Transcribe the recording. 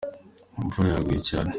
Imvura yaguye cyane.